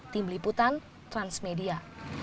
tim liputan transmedia